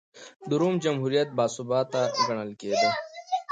د روم جمهوریت باثباته ګڼل کېده.